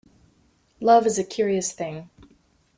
Love is a curious thing.